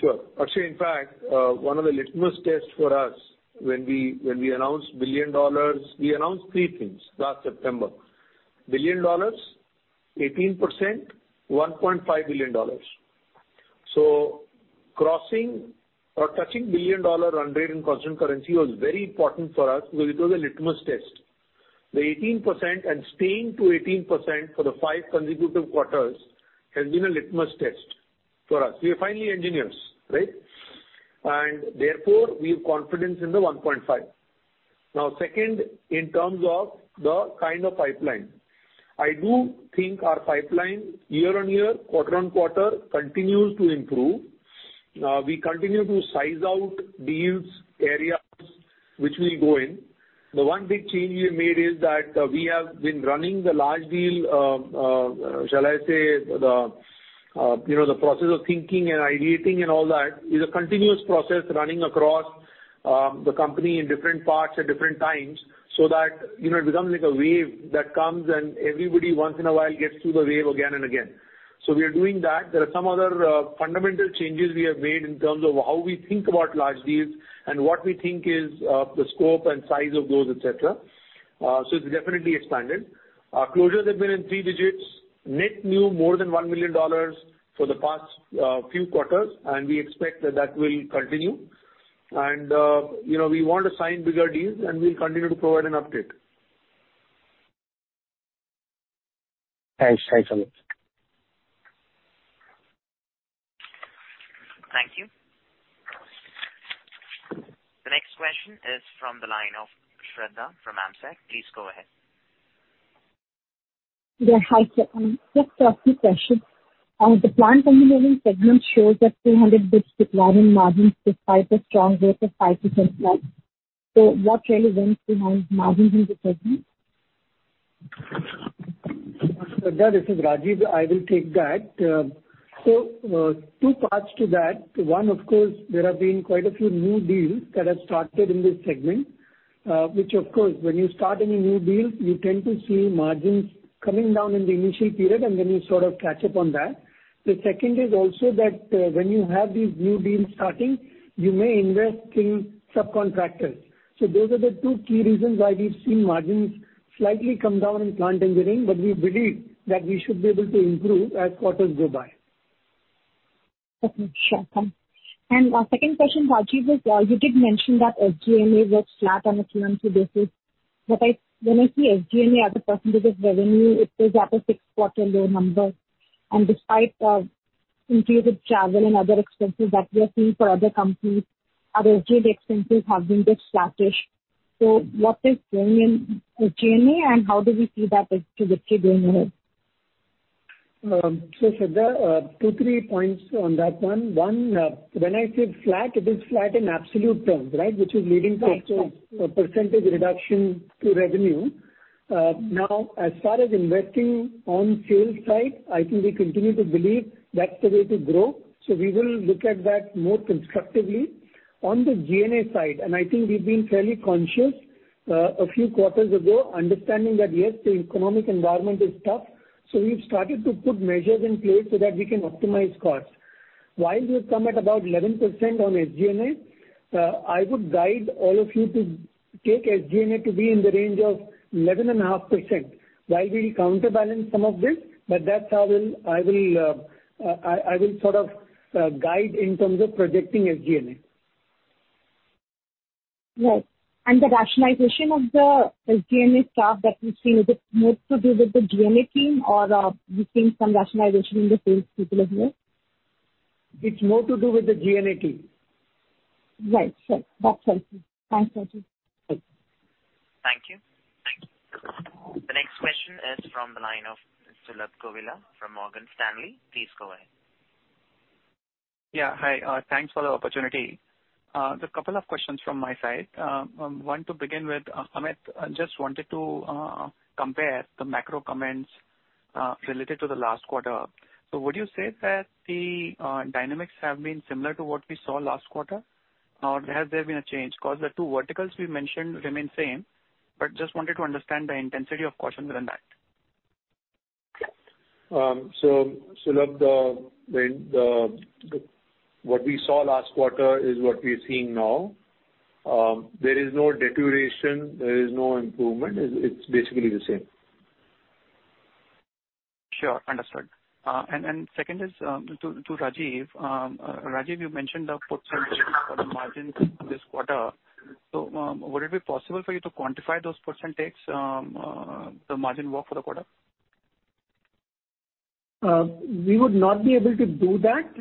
Sure. Actually, in fact, one of the litmus tests for us when we announced $1 billion, we announced three things last September. $1 billion, 18%, $1.5 billion. Crossing or touching $1 billion run rate in constant currency was very important for us because it was a litmus test. The 18% and staying at 18% for five consecutive quarters has been a litmus test for us. We are finally engineers, right? Therefore, we have confidence in the $1.5 billion. Now, second, in terms of the kind of pipeline, I do think our pipeline year-on-year, quarter-on-quarter continues to improve. We continue to size up deals, areas which we go in. The one big change we have made is that we have been running the large deal process of thinking and ideating and all that is a continuous process running across the company in different parts at different times, so that you know it becomes like a wave that comes and everybody once in a while gets through the wave again and again. We are doing that. There are some other fundamental changes we have made in terms of how we think about large deals and what we think is the scope and size of those, et cetera. It's definitely expanded. Our closures have been in three digits. Net new more than $1 million for the past few quarters, and we expect that will continue. You know, we want to sign bigger deals, and we'll continue to provide an update. Thanks. Thanks a lot. Thank you. The next question is from the line of Shradha from AMSEC. Please go ahead. Hi. Just a few questions. The plant engineering segment shows a 200 basis points decline in margins despite a strong growth of 5%+. What really went behind margins in the segment? Shradha, this is Rajeev. I will take that. Two parts to that. One, of course, there have been quite a few new deals that have started in this segment, which of course, when you start any new deals, you tend to see margins coming down in the initial period and then you sort of catch up on that. The second is also that, when you have these new deals starting, you may invest in subcontractors. Those are the two key reasons why we've seen margins slightly come down in plant engineering, but we believe that we should be able to improve as quarters go by. Okay. Sure. Thanks. Second question, Rajeev, is you did mention that SG&A was flat on a QoQ basis. When I see SG&A as a percentage of revenue, it is at a six-quarter low number. Despite increased travel and other expenses that we are seeing for other companies, our SG&A expenses have been just flattish. What is going in SG&A, and how do we see that activity going ahead? Shradha, 2, 3 points on that one. One, when I said flat, it is flat in absolute terms, right? Which is leading to a percentage reduction to revenue. Now as far as investing on sales side, I think we continue to believe that's the way to grow. We will look at that more constructively. On the G&A side, and I think we've been fairly conscious. A few quarters ago, understanding that, yes, the economic environment is tough, we've started to put measures in place so that we can optimize costs. While we've come at about 11% on SG&A, I would guide all of you to take SG&A to be in the range of 11.5% while we counterbalance some of this, but that's how I will sort of guide in terms of projecting SG&A. Right. The rationalization of the SG&A staff that we've seen, is it more to do with the G&A team or, we've seen some rationalization in the sales people as well? It's more to do with the G&A team. Right. Sure. That's helpful. Thanks, Rajeev. Thank you. The next question is from the line of Sulabh Govila from Morgan Stanley. Please go ahead. Yeah, hi. Thanks for the opportunity. There are a couple of questions from my side. One to begin with, Amit, I just wanted to compare the macro comments related to the last quarter. Would you say that the dynamics have been similar to what we saw last quarter, or has there been a change? 'Cause the two verticals we mentioned remain same, but just wanted to understand the intensity of caution around that. Sulabh, the what we saw last quarter is what we are seeing now. There is no deterioration. There is no improvement. It's basically the same. Sure. Understood. Second is to Rajeev. Rajeev, you mentioned the percentage for the margin this quarter. Would it be possible for you to quantify those percentages, the margin walk for the quarter? We would not be able to do that,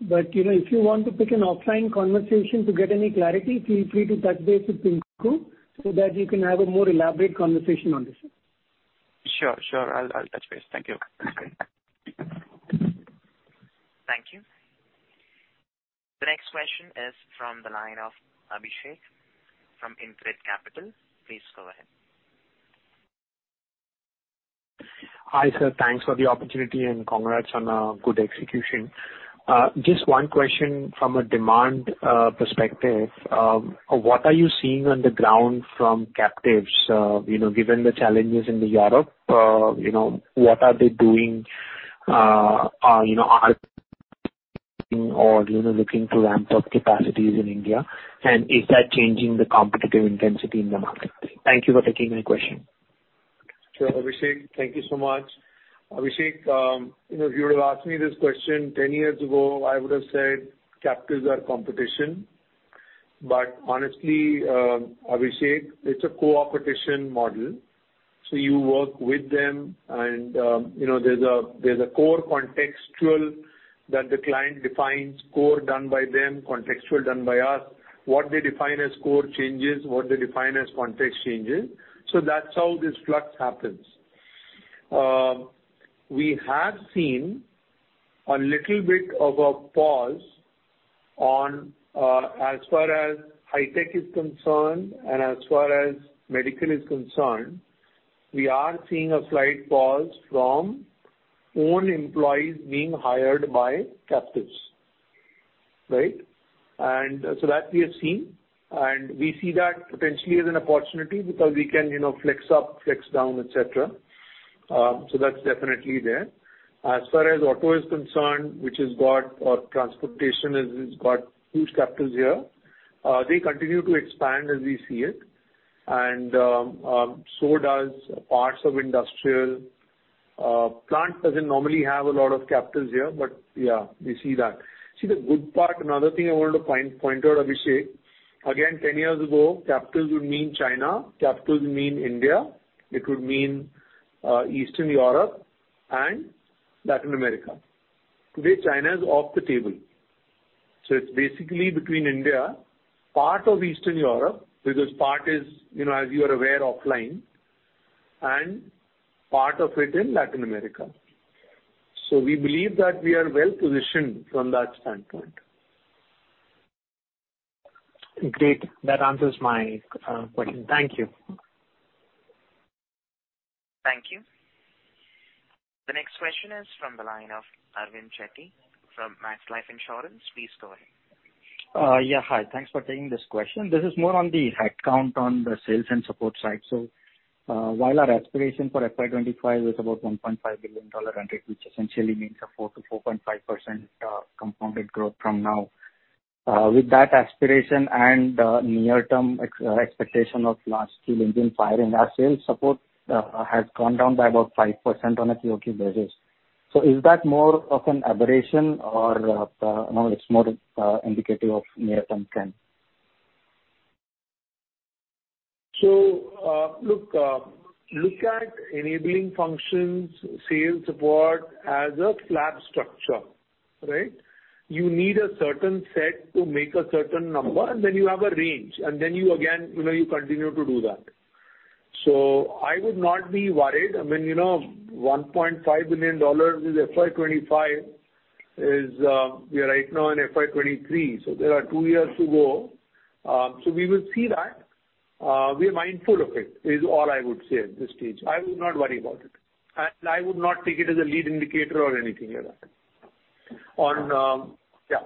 but you know, if you want to pick an offline conversation to get any clarity, feel free to touch base with Pinku so that you can have a more elaborate conversation on this. Sure. I'll touch base. Thank you. Thank you. The next question is from the line of Abhishek from InCred Capital. Please go ahead. Hi, sir. Thanks for the opportunity, and congrats on a good execution. Just one question from a demand perspective. What are you seeing on the ground from captives? You know, given the challenges in Europe, you know, what are they doing, you know, are looking to ramp up capacities in India? Is that changing the competitive intensity in the market? Thank you for taking my question. Sure, Abhishek. Thank you so much. Abhishek, you know, if you would have asked me this question 10 years ago, I would have said captives are competition. Honestly, Abhishek, it's a co-opetition model. You work with them and, you know, there's a core contextual that the client defines, core done by them, contextual done by us. What they define as core changes, what they define as context changes. That's how this flux happens. We have seen a little bit of a pause on, as far as high tech is concerned and as far as medical is concerned, we are seeing a slight pause from own employees being hired by captives. Right? That we have seen, and we see that potentially as an opportunity because we can, you know, flex up, flex down, et cetera. That's definitely there. As far as auto is concerned, which has got or transportation has got huge captives here, they continue to expand as we see it, and so does parts of industrial. Plant doesn't normally have a lot of captives here, but yeah, we see that. See, the good part, another thing I wanted to point out, Abhishek, again, 10 years ago, captives would mean China, captives would mean India, it would mean Eastern Europe and Latin America. Today, China is off the table. It's basically between India, part of Eastern Europe, because part is, you know, as you are aware, offline, and part of it in Latin America. We believe that we are well positioned from that standpoint. Great. That answers my question. Thank you. Thank you. The next question is from the line of Arvind Chetty from Max Life Insurance. Please go ahead. Yeah. Hi. Thanks for taking this question. This is more on the headcount on the sales and support side. While our aspiration for FY 2025 is about $1.5 billion revenue, which essentially means a 4%-4.5% compounded growth from now. With that aspiration and near-term expectation of large-scale hiring, our sales support has gone down by about 5% on a QoQ basis. Is that more of an aberration or, you know, it's more indicative of near-term trend? Look at enabling functions, sales support as a slab structure, right? You need a certain set to make a certain number, and then you have a range, and then you again, you know, you continue to do that. I would not be worried. I mean, you know, $1.5 billion is FY 2025 is, we are right now in FY 2023, so there are two years to go. So we will see that. We are mindful of it, is all I would say at this stage. I would not worry about it, and I would not take it as a lead indicator or anything like that. On, yeah.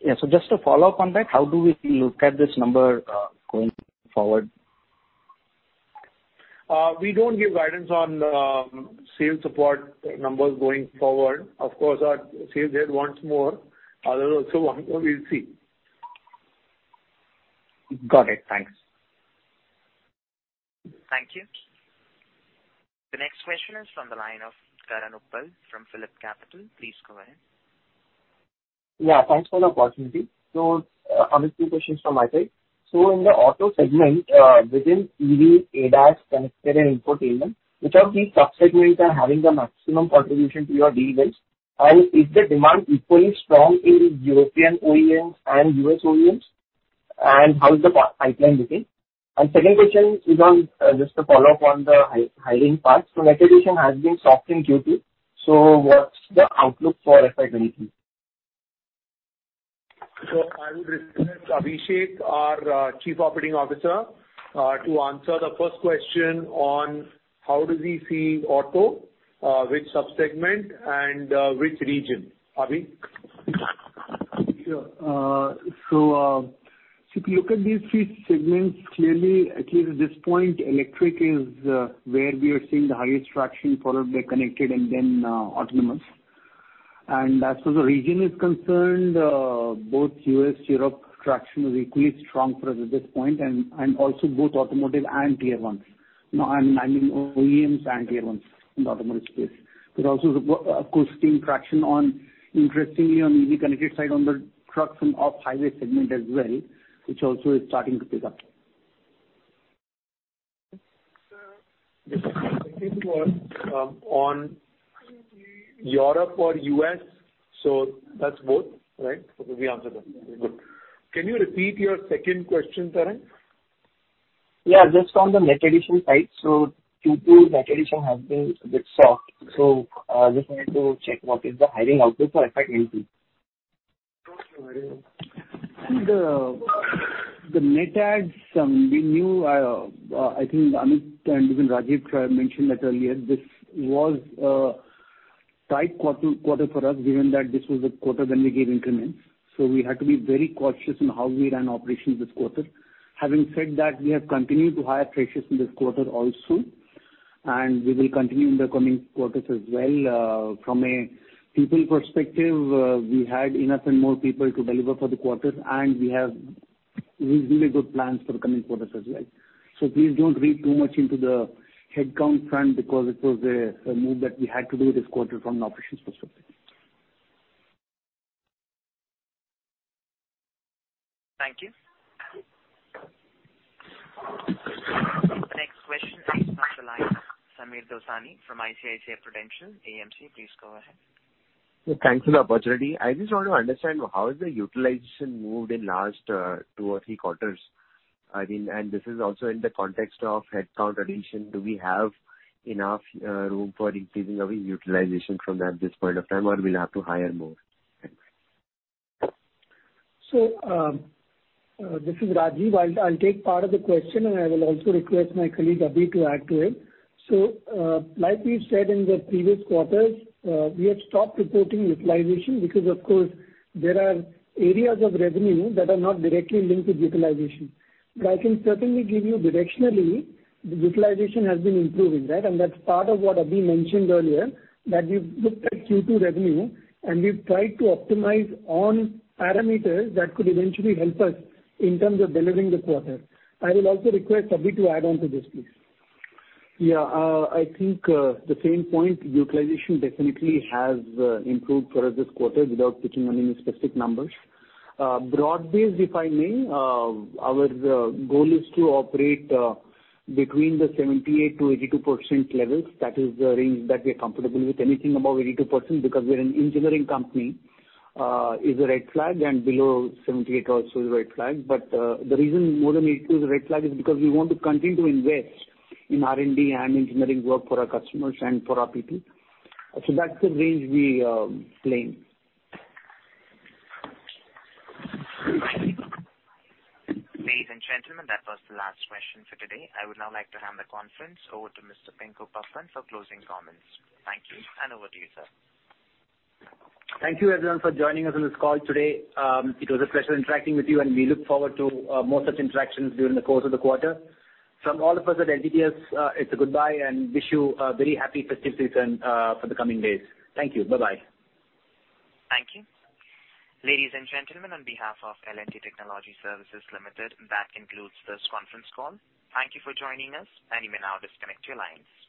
Yeah. Just to follow up on that, how do we look at this number, going forward? We don't give guidance on sales support numbers going forward. Of course, our sales head wants more. Others also want more. We'll see. Got it. Thanks. Thank you. The next question is from the line of Karan Uppal from PhillipCapital. Please go ahead. Yeah, thanks for the opportunity. I have a few questions from my side. In the auto segment, within EV, ADAS, connected and infotainment, which of these sub-segments are having the maximum contribution to your deals? Is the demand equally strong in European OEMs and U.S. OEMs, and how is the pipeline looking? Second question is on, just to follow up on the hiring part. Net addition has been soft in Q2, what's the outlook for FY 2023? I would request Abhishek, our Chief Operating Officer, to answer the first question on how we see auto, which sub-segment and which region. Abhi? Sure. So if you look at these three segments, clearly, at least at this point, electric is where we are seeing the highest traction, followed by connected and then autonomous. As far as the region is concerned, both U.S., Europe traction is equally strong for us at this point and also both automotive and tier ones. No, I mean OEMs and tier ones in the automotive space. We're also of course seeing traction on, interestingly on EV connected side on the truck and off-highway segment as well, which also is starting to pick up. I think it was on Europe or U.S., so that's both, right? We answered that. Very good. Can you repeat your second question, Karan? Yeah, just on the net addition side. Q2 net addition has been a bit soft. Just wanted to check what is the hiring outlook for FY 2023. The net adds we knew I think Amit and even Rajeev tried to mention that earlier. This was a tight quarter for us, given that this was the quarter when we gave increments. We had to be very cautious in how we ran operations this quarter. Having said that, we have continued to hire freshers in this quarter also, and we will continue in the coming quarters as well. From a people perspective, we had enough and more people to deliver for the quarter, and we have reasonably good plans for the coming quarters as well. Please don't read too much into the headcount front because it was a move that we had to do this quarter from an operations perspective. Thank you. The next question is from the line, Sameer Dosani from ICICI Prudential AMC. Please go ahead. Yeah, thanks for the opportunity. I just want to understand how is the utilization moved in last two or three quarters. I mean, this is also in the context of headcount addition. Do we have enough room for increasing our utilization from that, this point of time, or we'll have to hire more? Thanks. This is Rajeev. I'll take part of the question, and I will also request my colleague, Abhi, to add to it. Like we've said in the previous quarters, we have stopped reporting utilization because of course, there are areas of revenue that are not directly linked with utilization. I can certainly give you directionally, the utilization has been improving, right? That's part of what Abhi mentioned earlier, that we've looked at Q2 revenue, and we've tried to optimize on parameters that could eventually help us in terms of delivering this quarter. I will also request Abhi to add on to this, please. Yeah. I think the same point. Utilization definitely has improved for us this quarter without touching on any specific numbers. Broad-based, if I may, our goal is to operate between the 78%-82% levels. That is the range that we are comfortable with. Anything above 82%, because we're an engineering company, is a red flag, and below 78% also is a red flag. The reason more than 82% is a red flag is because we want to continue to invest in R&D and engineering work for our customers and for our people. That's the range we play in. Ladies and gentlemen, that was the last question for today. I would now like to hand the conference over to Mr. Pinku Pappan for closing comments. Thank you, and over to you, sir. Thank you everyone for joining us on this call today. It was a pleasure interacting with you, and we look forward to more such interactions during the course of the quarter. From all of us at LTTS, it's a goodbye and wish you a very happy festive season for the coming days. Thank you. Bye-bye. Thank you. Ladies and gentlemen, on behalf of L&T Technology Services Limited, that concludes this conference call. Thank you for joining us, and you may now disconnect your lines.